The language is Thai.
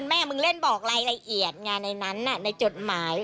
แม่มึงเล่นบอกรายละเอียดไงในนั้นในจดหมาย